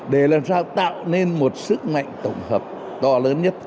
để làm sao tạo nên một sức mạnh tổng hợp to lớn nhất